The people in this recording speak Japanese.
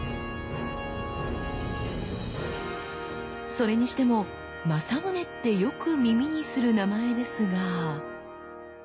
それにしても正宗ってよく耳にする名前ですが。